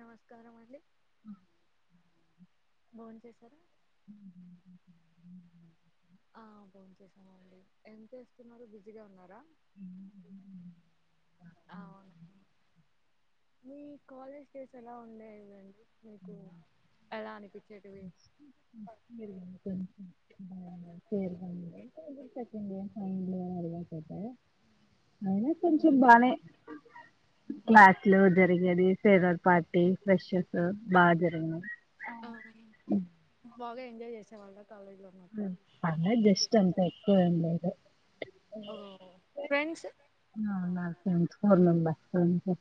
నమస్కారం అండి ఆ భోంచేసారా [unintelligible] ఆ భోంచేసామండి ఏం చేస్తున్నారు బిజీగా ఉన్నారా అవును మీ [unintelligible] కాలేజ్ డేస్ ఎలా ఉండేదండి మీకు ఎలా అనిపించేటివి బర్డి [unintelligible] మళ్లీ అదే కొడతారు అయినా కొంచెం బానే ఉమ్. క్లాస్ లో జరిగేది ఫెద పార్టీ ఫ్రెష్ బాగా జరిగినాయి హా ఆ బాగా ఎంజాయ్ చేసేవాళ్ల అలా జస్ట్ అంత ఎక్కువేం లేదు ఓ ఫ్రెండ్స్ నా ఫ్రెండ్స్ ఫోర్ మెంబర్స్ ఓ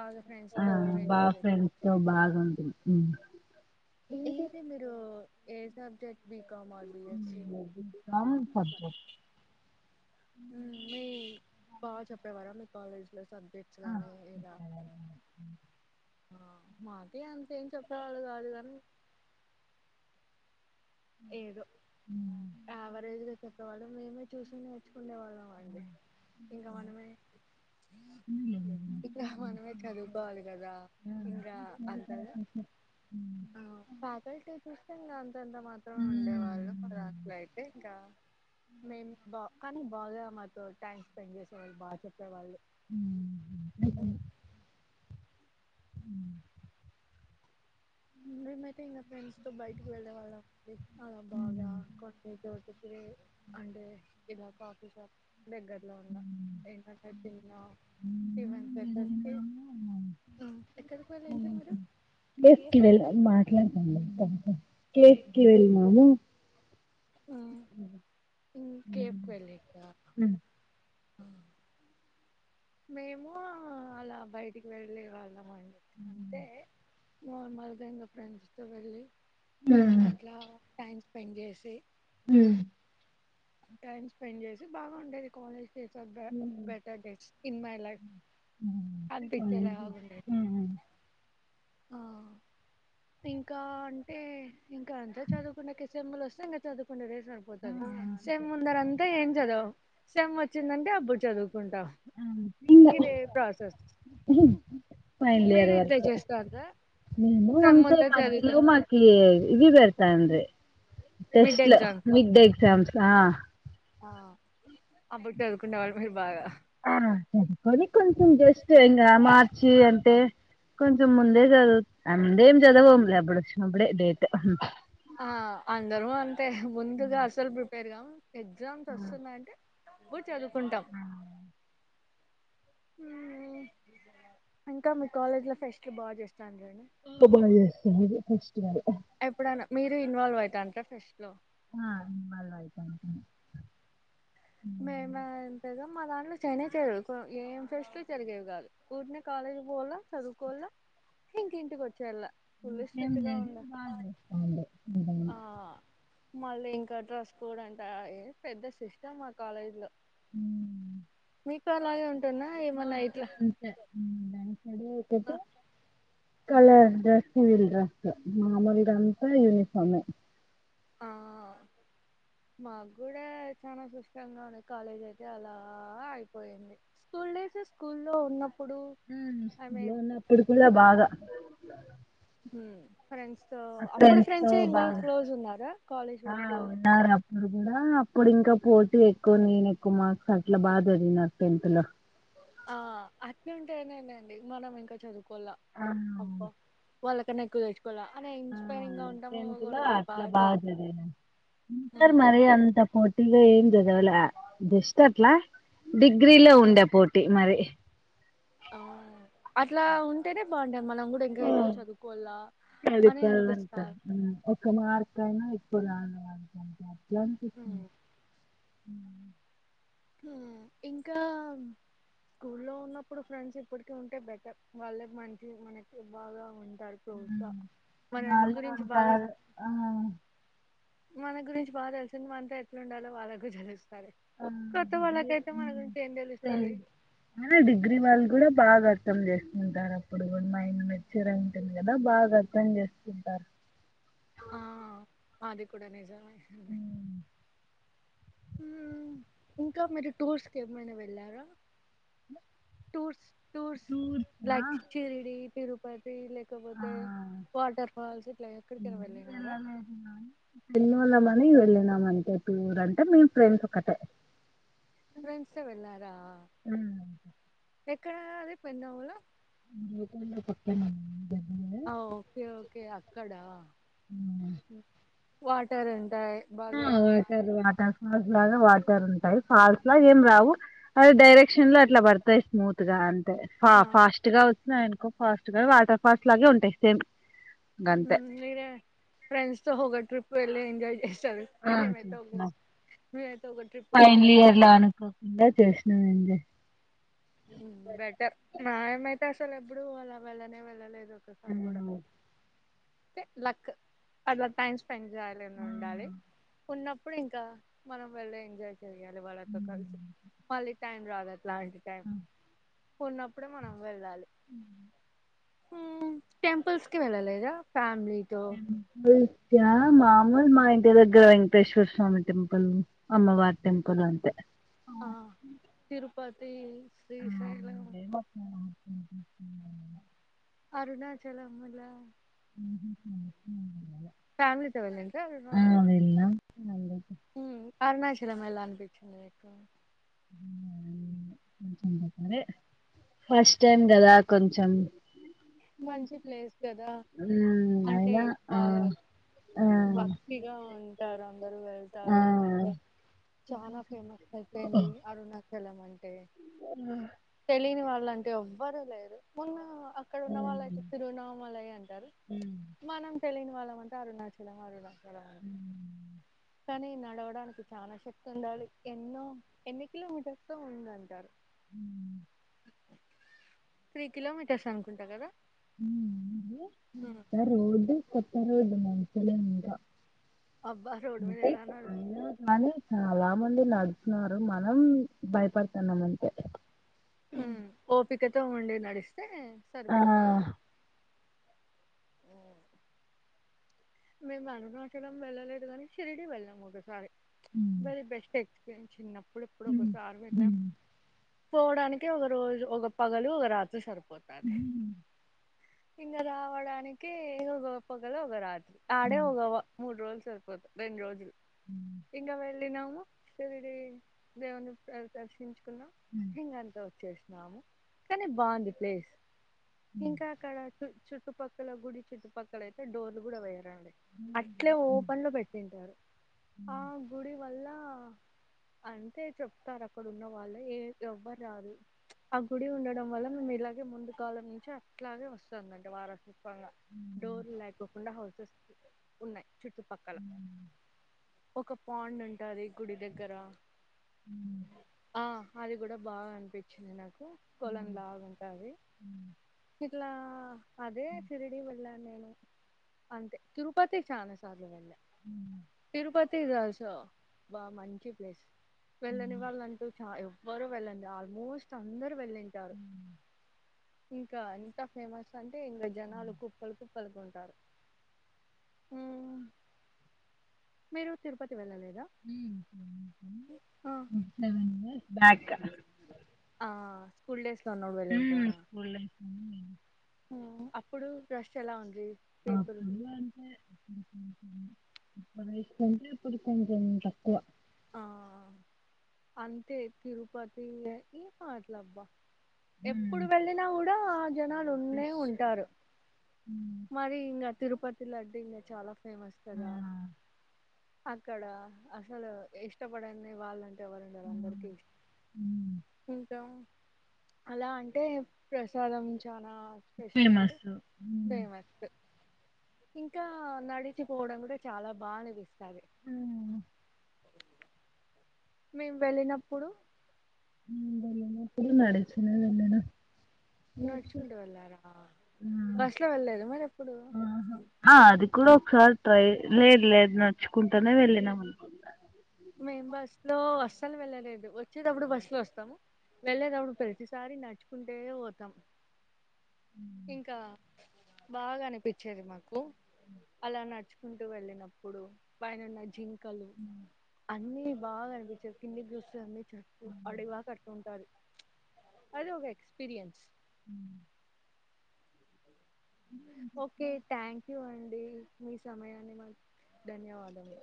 బాగా ఫ్రెండ్స్ ఆ తో ఎంజాయ్ బాగా చే ఫ్రెండ్స్ తో బాగుంటు ఉ ఏంది మీరు ఏ subject B comma or B S C common subject హా మీ బాగా చెప్పేవారా మీ కాలేజీలో స ఎట్లనో ఉంది ఇగ ఆ మాతి అంతేం చెప్పిన వాళ్ళు ఏదో యావరేజ్ లో చెప్ప వాళ మేమే చూసింది ఉండేవాళ్ళం అండి ఇంకా మనమే ఇంకా మనమే ఆ చదువుకోవాలి కదా హ్మ్. ఇంకా సేమ్ అంతగా ప్రాసెస్సే. హ్మ్. ఫ్యాకల్టీ చూస్తే ఇంకా అంతంతత్ర. ఉండేవాళ్ళు అ హ్మ్. అట్ల అయితే ఇంకా మే బా కానీ బా. బాగా మాతో టైమ్ స్పెండ్ చేసే వాళ్ళుగా చెప్పేవాళ్ళు అ అ నిమ్ మైతే ఇ ఫ్రెండ్స్ తో బయటికి వెళ్ళే వాళ్ళ అలా బాగా హ్మ్. అంట అంటే ఇలా కాఫీ షాప్ దగ్గరలో ఉంద ఏంటంటే తీ మేము మంట అ బ వెళ్ళ మాట్లాడతాం [unintelligible] కేఫ్ హ్మ్. వెళ్లి హ్మ్. అ మేము అలా బయటికి వెళ్లే వాళ్ళం అవును అంతే మమలుగా ఇం ఫ్రెండ్స్ తో వెల్లి హ్మ్. అట్లా థ్యాంస్ స్పెండ్ చేేసి హ టైమ్ స్పెండ్ చేసి బాగా ఉండేది కాలేజ్ హ్మ్. బెటర్ డేస్ ఇన్ మైఫ్ హ్మ్. అపిట్ట కాలేజీ ఆండేది హ్మ్. ఆ ఇంకా అంటే ఇంకా అంతా చదువుకున్న సేమ్ లు వేస్తే ఇంకా చదువుకునేదే ఆ! సరిపోతుది అంతే. సేమ్ ముందర అంతా ఏం చదవం సమ్ వచ్చిందంటే అబ్బు చదువు కొంటాం అంతే. ఇంగ ఇదే ప్రాసెస్ ఫైనల్ మీరు ఇయర్ ఇట్లా వరకు. చేస్తందా. మేము అంతే మధ్యలో మాకి ఇది బెడతాండ్రి మిడ్ టెస్ట్ లో మిడ్ ఎక్జామ్ ఆ ఆ అబ్బుడు చదువుకుండ వాళ్ళమే బాగా ఆ చదువుకొని కొంచెం జస్ట్ ఇంగ మార్చి అంటే కొంచెం ముందే చదువు అందేం చదవంలే అబ్బుడు అబడే ఇదైతే ఆ అందరు అంతే ముందుగా అసలు ప్రి పెరుగా ఎగ్జామ్స్ వస్తుందంటే బుడ్ చదువుకుంటాం ఇంకా మీ కాలేజ్ లో ఫెస్ట్లు బా చే పొబ్బులో చే [unintelligible] ఫెస్టివల్ ఎప్పుడైనా మీరు ఇన్వాల్వ్ అయితాంట్రా ఫెస్ట్ లో ఆ ఇన్వాల్వ్ అయితాంటిమి మ మా ఎంతద మా దాంట్లో చేనే చేయరు ఏం ఫ్రెస్ట్లు జరిగేవి గాదు ఊరినే కాలేజ్కి పోల్ల చదువుకోల్ల ఇంక ఇంటికి వచ్చేయళ్ళ ఇంకేం లేదు బాగజెస్తాండ్లె ఆ ఏదైనా మళ్ళీ ఇంకా డ్రస్ కోడ్ అంట ఏ పెద్ద సిస్టమ్ కాలేజ్ లో హ్మ్ ఇక్కడ అలాగే ఉంటుందా ఏమన్నా మాకి అంతే దంసడు ఆ కళ జాస్దివిల్రా మాములగంతా యూనిఫామే ఆ మాగ్గూడా చాలా సుష్టంగా ఉంది కాలేజ్ అయితే అలా అయిపోయింది స్కూల్ డేస్ స్కూల్ లో ఉన్న స్కూల్లో ఉన్నప్పుడు కూడా బాగా ఫ్రెన్స్ సో అప్పుడు ఫ్రెండ్స్ తో ఫ్రెండ్సే ఇంగా బాగా క్లోజ్ ఉన్నారా కాలేజ్ వరకు [unintelligible] గూడా అప్పుడు ఇంకా పోటీ ఎక్కువ నేను ఎక్కువ మార్క్స్ అట్లా బాగా చదివిన టెన్త్ లో ఆ అట్ను ఉంటేనేనండి మనం ఇంకా చదువుం కొలా ఆ అబ్బా వాళ్ళకన ఎక్కువ తెచ్చుకోవాల అనే ఆ ఇన్స్పైరింగ్ గా ఉంటాము టెన్త్ లో ఒకరొకరు అట్లా బాగా చదువు చదివాను ఇంటర్ ఉమ్. మరి అంత పోటీ గా ఏం చది చ్చ దవల జస్ట్ అట్లా డిగ్రీలో ఉండే పోటీ మరి అవ్ అట్లా ఉంటేనే బాగుండ్ మ్మ్ అని అనిపిస్తారు కడిపాలంటారు ఒక మార్క్ అయినా కొలా [inaudible] రా [inaudible] కృష్ణ ఉమ్. ఇంకా స్కూ లో ఉన్నప్పుడు ఫ్రెండ్స్ ఇప్పటికి ఉంటే బెటర్ వాళ్ళే మంచి మనకి బాగా ఉంచి మాళ్ళా బాగా ఉంటారు ఆ మన గురించి బా తెలసిన వాన్ తో ఎట్లా ఉండాలో వాళ్ళకు తెలుస్ ఆ గురించి ఏం తెలుస్తది తెలిద్ అ డిగ్రిీ వాల్ కూడా బాగా అర్థం చేసుకుంటారు అప్పుడు కూడా మైండ్ మేచూర్ అయి ఉంటది కదా బాగా అర్థం చేస్తుంటారు ఆ అది కూడా నిజమే [inaudible] మ్మ్ ఇంకా మీరు టూర్స్ కి ఏమైనా వెళ్ళారా? టూర్స్ టూర్స్ టూర్సా లైక్ షిర్డీ తిరు ఆ లేకపోతే వాటర్ ఫాల్స్ ఇట్లా ఏం ఎక్కడికైన వెళ్ళినారా? నీ వెళ్ళినాం అంతే టూర్ అంటే మేం ఫ్రెండ్స్ ఒకటే ఫ్రెండ్స ఎ వెళ్ళారా? హ్మ్. ఎక్కడదది [unintelligible] ట పక్కన మ [unintelligible] ఆ ఓకే ఓకే అక్కడా వాటర్ టాయ్ బాగా ఎంజ్ ఫాస్ లాగా వాటర్ ఉంటాయి ఫాల్స్ లా ఏం రావు అది డైరెక్షన్ లో ఎట్లా పడతాయి స్మూత్ గా అంటే ఫ ఆ ఫాస్ట్ గా వచ్చినయి అనుకో ఫాస్ట్ గా వాటర్ ఫాల్స్ లాగే ఉంటాయి సేమ్ గంతే మీరే ఫ్రెండ్స్ తొ ఓ గ ట్రిప్ వెళ్లి ఎంజాయ్ చేస్ ఆ చేసినం మేమైతే ఒక ట్రిప్ కూడా ఫైనల్ అట్లా ఇయర్ లో వెళ్ళలే అనుకోకుండా చేసినం ఎంజాయ్ బెటర్ మాయ మై తె అ అసలు ఎప్పుడూ అలా వెళ్ళనే వెళ్ళలేదు అదొక్కసారి కూడా లక్ అట్లా టైం పెంజలని ఉండాలి ఉన్నపూ ఇప్పుడు ఇంకా మనం వెళ్లేే ఎంజాయ్ చేయాలి వాళ్ళతో కలిసి మళ్ళ టైం రాదు అట్లాంటి టైం ఉన్నప్పుడే మనం వెళ్ళాలి అ టెంపుల్స్ కి వెళ్ళలేదా ఫ్యా త్యా మామూలు మా ఇంటి దగ్గర వెంకటేశ్వర స్వామి టెంపుల్ అమ్మవారి టెంపుల్ అంతే ఆ తీరు పతి శ్రీశైలం ఉమ్ అరుణాచలం లా [inaudible] ఫ్యామిలీతో వెళ్ళకా మా అడి అరుణ చిల మలా అనిపించకు చెంట సారు ఫస్ట్ టైం కదా కొంచెం మంచి ప్లేస్ కదా మ్మ్ అంటే అయినా ఆ బాగా ఆ భక్తిగా ఉంటారు అందరుూ వెళ్తారు ఆ ఈ మధ్య చాలా ఫేమస్ అయిపోయింది అరుణాచలం అంట స తెలిని వా అలాంటి ఎవ్వరు లేరు మున్న అక్కడ ఉన్న వాళ్ళు అయితే హ్మ్. తిరునామల అయ అంటారు హ్మ్. మనం తెలియని ళ్ళ వా అరుణాచలం అరుగుల అ కానీ నడవడానికి చాలా శక్తి ఉండాలి ఎన్నో ఎన్ని కిలోమీటర్స్ తో ఉందంటారు హ త్రీ కిలోమీటర్ సను కుంటా కదా ఉమ్. రదు కొ పర్వదు మంచిసలే నింకా అబ్బా రోడ్డు మీద అంత ఎలా నడు అ కానీ చాలా మంది నడుతున్నారు మనం భయపడుతున్నాం అంటే ఉ ఓపికతో ఉండి నడి సే ఆ సరిపోతారు మేము అనునాచన వెళ్ళలేదు కాని రిడి వెళ్ళం ఒకసారి బర బెస్ట్ చిన్నప్పు ఎప్పుడు ఎప్పుడ కొస ఆర్మ ఇలా పోవడానికి ఒక రోజు ఒక పగలు ఒక రాత్రి సరిపో పోతద ఇంద రావడా అనికినికి హ పోదురా అ ఆడే హగవ మూడు రోజు సరిపోతుదు రెండు రోజులు ఇగ వెళ్ళి నవవు శరీరి దేవుని దర్శించు ఇతా వచ్చేస్త కానీ బాగుంది ప్లేస్ ఇంకా అక్కడ చ చుట్ట చుట్టుక్కల గుడి చుట్టుపక్కల అయితే డోర్లు కూడా వయ్య డి అట్లే ఓపెన్ లో పెట్టింటారు ఆ గుడి వల్ల అంటే చెప్తారు అక్కడ ఉన్న వాళ్ళు ఏ ఎవ్వరు రాదు ఆ గుడి ఉండడం వల్ల మేము ఇలాగే ముందు కాలం నుంచి అట్లాగే వస్తుందండి వారసత్ డోర్ కుండా హౌసెస్ ఉన్నాయి చుట్టుపక్కల ఒక పడ్ ఉంటాది కుడి దగర ఆ అది కూడా బాగా అనిపించింది నాకు కొలంలాగుంటది ఇట్లా అదే సిరిడి వెళ్ళా నేను అంతే తిరుపతి చా సాధవద తిరుపతిద బా మంచి ప్లేస్ వెళ్ళని వాళ్ళ అంటూ చ ఎవ్వరు వెళ్ళండి ఆల్మోస్ట్ అందరుూ వెళ్ళం ఇంకా ఇంత ఫేమస్ అంటే ఇంకా జనాలు కుప్పలు కుప్పలు కుంటారు మీరు తిరుపతి వెళ్ళలేదు ఉహుహు బా క ఫుల్ డేస్ లో ఉన్నప్పుడు ఊ స్కూల్ ఉ అప్పుడు రష్ ఎలా ఉంది ఆ పీపుల్ ఫుల్ అంటే అప్పుడు తీస్కుంటే ఇప్పుడు కొంచెం త ఆ అంతే తిరు పతి ఏ పి అట్లాబ ఎప్పుడు వెళ్ళినా కూడా ఆ జనాలు ఉన్నే ఫ్రెష్ ఉంటారు. మరి ఇంగ తిరుపతి లడ్డు ఇంగ చాలా ఫేమస్ కదా అక్కడ అసలు ఇష్టపడని వాళ్ళు ఎవరు ఉండరు అందరికి ఇంకా అలా అంటే ప్రసాదం చాన ఫేమసు ఉ ఇంకా నడిచిపోవడం కూడా చాలా బా అనిపిస్ తది మేం వెళ్ళినప్పుడు దలేనప్పుడు నడుచిన వెళ్లాలా నడుచుకుంటూ వెళ్ళారా బస్ లో వెళ్ళేదా మరి ఎప్పుడు కుడా ఒకసారి ట్రై లేద్ లేదు నడ్చుకుంటనే వెళ్ళినం మేం బస్ లో అస్సలు వెళ్ళలేదు వచ్చేటప్పుడు బస్సు లో వస్తాం, వెళ్ళేటప్పుడు ప్రతిసారి నడుచుకుంటే పోతాం. ఇంకా బాగా అనిపిచేది మాకు అలా నడుచుకుంటూ వెళ్ళినప్పుడు పైనున జిం కలు అన్ని బాగా అనిపిచే కిందిక్ చూస్తే అని అడవాక అట్టుంటాది అది ఒక ఎక్స్పీరియన్స్ ఉ ఓకే థ్యాంక్ యూ అండి మీ సమయాన్ని మాక్ ధన్యవాదము